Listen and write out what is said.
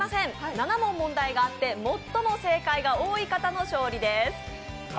７問、問題があって、最も正解が多い方の勝利です。